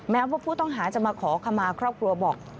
แม้ว่าผู้ต้องหาจะมาขอขมาครอบครัวบอก